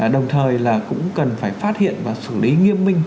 đồng thời là cũng cần phải phát hiện và xử lý nghiêm minh